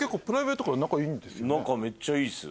仲めっちゃいいっす。